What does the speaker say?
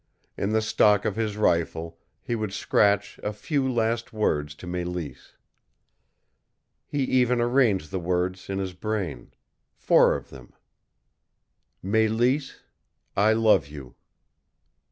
In the stock of his rifle he would scratch a few last words to Mélisse. He even arranged the words in his brain four of them "Mélisse, I love you."